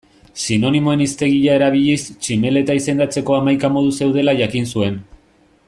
Sinonimoen hiztegia erabiliz tximeleta izendatzeko hamaika modu zeudela jakin zuen.